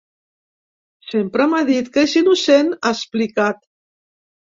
Sempre m’ha dit que és innocent, ha explicat.